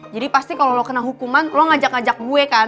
jadi pasti kalo lo kena hukuman lo ngajak ngajak gue kan